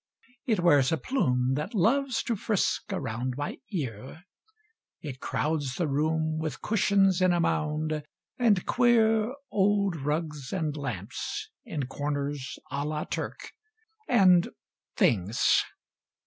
It wears a plume That loves to frisk around My ear. It crowds the room With cushions in a mound And queer Old rugs and lamps In corners a la Turque And things.